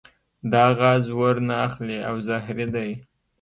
دا غاز اور نه اخلي او زهري دی.